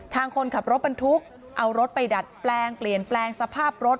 คนขับรถบรรทุกเอารถไปดัดแปลงเปลี่ยนแปลงสภาพรถ